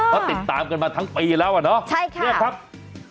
เพราะติดตามกันมาทั้งปีแล้วเนอะเนอะเนี่ยครับใช่ค่ะ